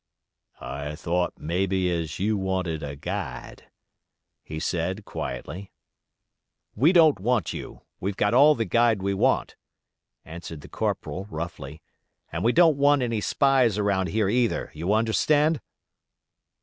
"I thought maybe as you wanted a guide," he said, quietly. "We don't want you. We've got all the guide we want," answered the corporal, roughly, "and we don't want any spies around here either, you understand?"